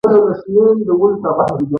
زاړه کسان د کور د ارامۍ لپاره هڅې کوي